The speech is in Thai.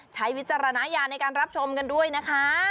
วิจารณญาณในการรับชมกันด้วยนะคะ